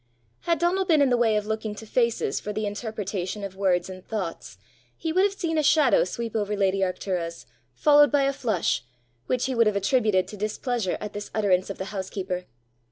Had Donal been in the way of looking to faces for the interpretation of words and thoughts, he would have seen a shadow sweep over lady Arctura's, followed by a flush, which he would have attributed to displeasure at this utterance of the housekeeper.